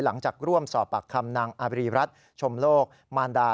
หลังจากร่วมสอบปากคำนางอาบรีรัฐชมโลกมารดา